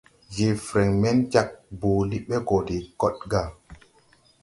Je freŋ men jāg boole ɓɛ go de kod gà.